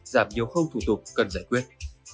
giảm nhiều không thủ tục cần giải quyết